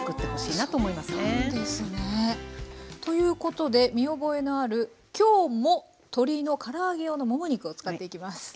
はあそうなんですね！ということで見覚えのある今日も鶏のから揚げ用のもも肉を使っていきます。